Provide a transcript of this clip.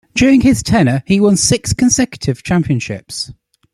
During his tenure, he won six consecutive championships.